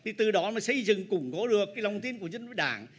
thì từ đó mà xây dựng củng cố được cái lòng tin của dân đối với đảng